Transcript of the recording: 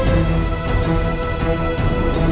aduh li bangun